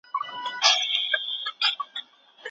خو څوک د شعر او موسيقۍ نظريه نه طرح کوي.